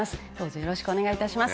よろしくお願いします。